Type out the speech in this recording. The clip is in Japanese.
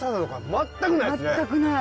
全くない！